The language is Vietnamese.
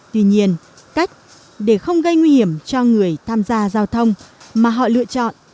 tuy nhiên cách để không gây nguy hiểm cho người tham gia giao thông mà họ lựa chọn